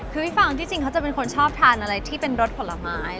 คือพี่ฟังที่จริงเขาจะเป็นคนชอบทานอะไรที่เป็นรสผลไม้